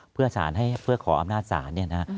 เพื่อสารให้เพื่อขออำนาจศาลเนี่ยนะ